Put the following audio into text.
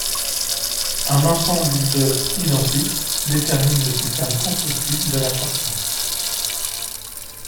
Un ensemble de identiques détermine le système constructif de la charpente.